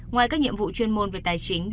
ngoài các nhiệm vụ chuyên môn về tài chính